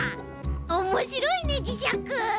おもしろいねじしゃく！